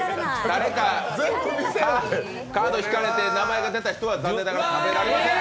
カード引かれて名前が出た人は残念ながら食べられない。